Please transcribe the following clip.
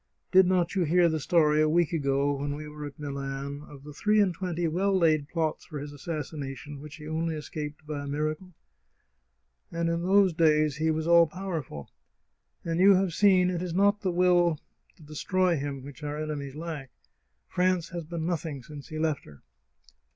Did not yt)u hear the story, a week ago, when we were at Milan, of the three and twenty well laid plots for his assas sination which he only escaped by a miracle ? And in those days he was all powerful ! And you have seen it is not the will to destroy him which our enemies lack. France has been nothing since he left her